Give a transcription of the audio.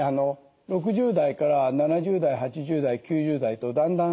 ６０代から７０代８０代９０代とだんだん下がってきます。